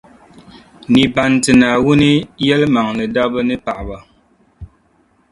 ni ban ti Naawuni yɛlimaŋli dobba ni paɣaba